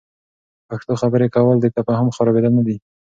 پښتو خبرې کول، د تفهم خرابیدل نه وي.